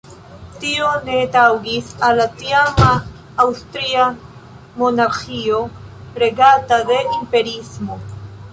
Tio ne taŭgis al la tiama Aŭstria monarĥio, regata de imperiismo.